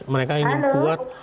mereka ingin kuat